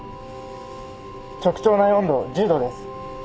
直腸内温度１０℃です。